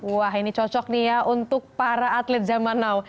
wah ini cocok nih ya untuk para atlet zaman now